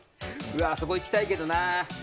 そこいきたいけどなあ。